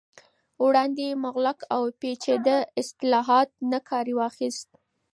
وړاندې مغلق او پیچیده اصطلاحاتو نه کار واخست